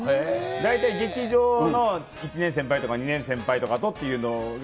大体劇場の１年先輩とか２年先輩とかとっていうのが。